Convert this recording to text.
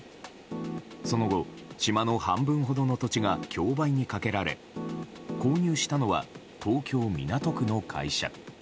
その後、島の半分ほどの土地が競売にかけられ購入したのは東京・港区の会社。